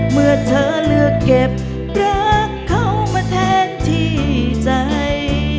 เมื่อเธอเลือกเก็บรักเขามาแทนที่ใจ